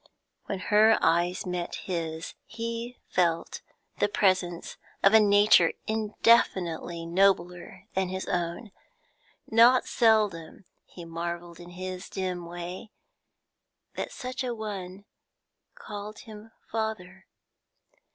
When her eyes met his, he felt the presence of a nature indefinitely nobler than his own; not seldom he marvelled in his dim way that such a one called him father.